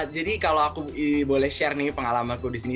jadi kalau aku boleh share nih pengalamanku di sini